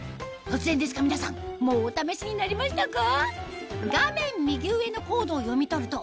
突然ですが皆さんもうお試しになりましたか？